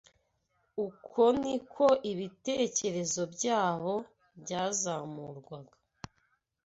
Uko ni ko ibitekerezo byabo byazamurwaga